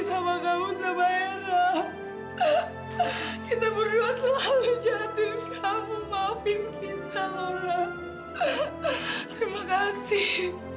sama kamu sama era kita berdua terlalu jahat dengan kamu maafin kita laura terima kasih